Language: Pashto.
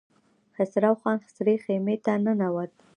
خسرو خان سرې خيمې ته ننوت.